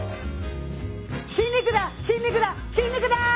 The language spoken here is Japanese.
筋肉だ筋肉だ筋肉だー！